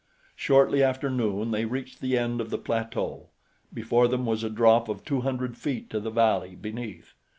Shortly after noon they reached the end of the plateau. Before them was a drop of two hundred feet to the valley beneath.